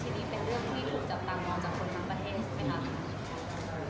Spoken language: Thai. ที่นี่เป็นเรื่องที่หนูจะตามมองจากคนมาประเทศใช่ไหมครับ